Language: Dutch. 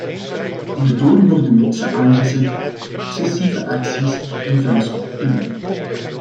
Hierdoor worden mensen aangezet tot excessieve actie en vuilspuiterij.